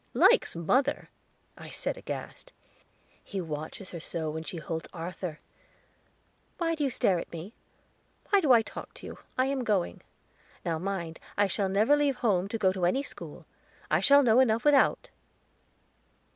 "Likes mother!" I said aghast. "He watches her so when she holds Arthur! Why do you stare at me? Why do I talk to you? I am going. Now mind, I shall never leave home to go to any school; I shall know enough without."